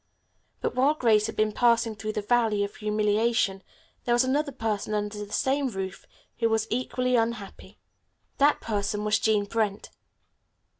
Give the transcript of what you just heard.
But while Grace had been passing through the Valley of Humiliation, there was another person under the same roof who was equally unhappy. That person was Jean Brent.